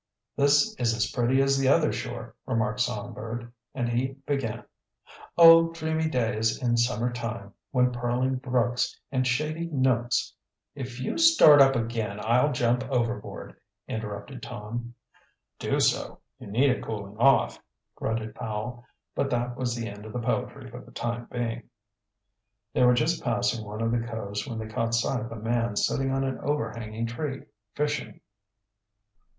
"This is as pretty as the other shore," remarked Songbird. And he began: "Oh, dreamy days in summer time, When purling brooks and shady nooks " "If you start up again I'll jump overboard," interrupted Tom. "Do so, you need a cooling off," grunted Powell; but that was the end of the poetry for the time being. They were just passing one of the coves when they caught sight of a man sitting on an overhanging tree, fishing.